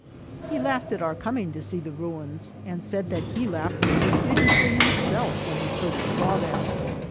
He laughed at our coming to see the ruins, and said that he laughed prodigiously himself when he first saw them.